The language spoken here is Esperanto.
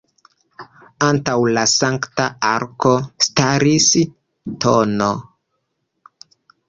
Antaŭ la Sankta Arko staris tn.